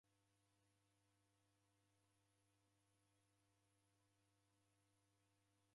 Kughu kwapo kwaw'uadwa ni nganju